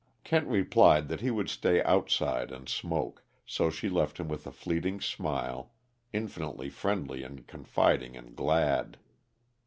Kent replied that he would stay outside and smoke, so she left him with a fleeting smile, infinitely friendly and confiding and glad.